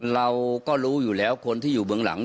เราก็รู้อยู่แล้วคนที่อยู่เบื้องหลัง